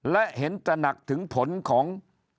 และเห็นตระหนักถึงผลของ